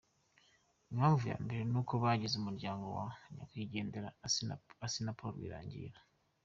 Impamvu ya mbere ni uko bagize umuryango wa nyakwigendera Assinapol Rwigara.